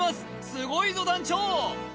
すごいぞ団長！